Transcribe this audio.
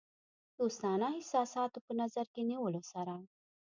دوستانه احساساتو په نظر کې نیولو سره.